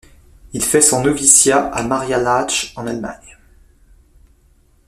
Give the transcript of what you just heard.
Il fait son noviciat à Maria-Laach en Allemagne.